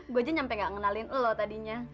gue aja sampai gak ngenalin lo tadinya